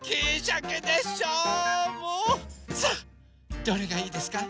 さあどれがいいですか？